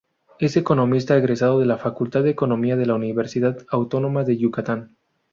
Es economista egresado de la Facultad de Economía de la Universidad Autónoma de Yucatán.